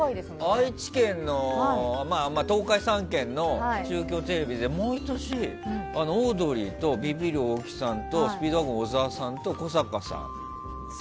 愛知県の東海３県の中京テレビで毎年、オードリーとビビる大木さんとスピードワゴン小沢さんと古坂さん。